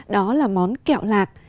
đó là món kẹo lạc